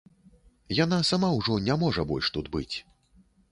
Яна сама ўжо не можа больш тут быць.